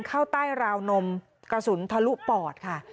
เข้าใต้ราวนมกระสุนทะลุปอดค่ะ